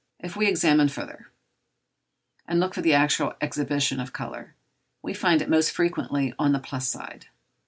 If we examine further, and look for the actual exhibition of colour, we find it most frequently on the plus side.